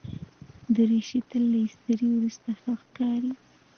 دریشي تل له استري وروسته ښه ښکاري.